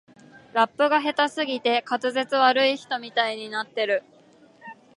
ラップが下手すぎて滑舌悪い人みたいになってる